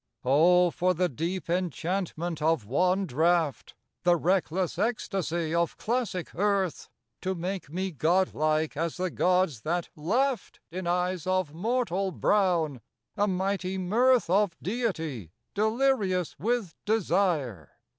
Oh, for the deep enchantment of one draught! The reckless ecstasy of classic earth! To make me godlike as the gods that laughed In eyes of mortal brown, a mighty mirth Of deity delirious with desire!